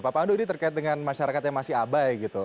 pak pandu ini terkait dengan masyarakat yang masih abai gitu